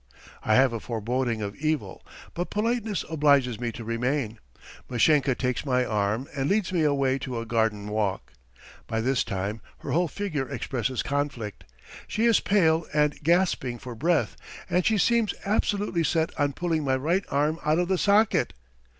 I have a foreboding of evil, but politeness obliges me to remain. Mashenka takes my arm and leads me away to a garden walk. By this time her whole figure expresses conflict. She is pale and gasping for breath, and she seems absolutely set on pulling my right arm out of the socket.